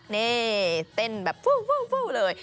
นี่เต้นแบบฟูเลย